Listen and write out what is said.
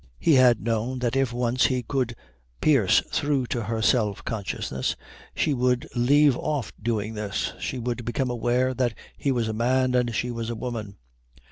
He had known that if once he could pierce through to her self consciousness she would leave off doing this, she would become aware that he was a man and she was a woman.